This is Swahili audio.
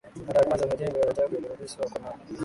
Mara ya kwanza majengo ya ajabu yaliorodheshwa na